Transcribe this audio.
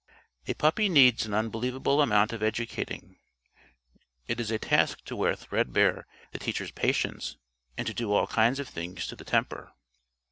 A puppy needs an unbelievable amount of educating. It is a task to wear threadbare the teacher's patience and to do all kinds of things to the temper.